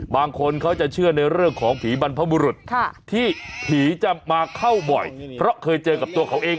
บางคนเขาจะเชื่อในเรื่องของผีบรรพบุรุษที่ผีจะมาเข้าบ่อยเพราะเคยเจอกับตัวเขาเอง